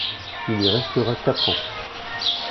Il y restera quatre ans.